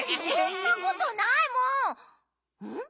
ん？